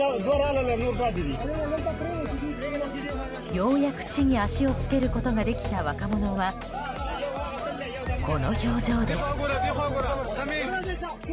ようやく、地に足をつけることができた若者はこの表情です。